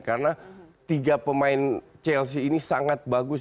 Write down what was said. karena tiga pemain chelsea ini sangat bagus